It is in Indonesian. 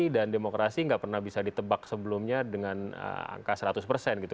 dan demokrasi gak pernah bisa ditebak sebelumnya dengan angka seratus persen gitu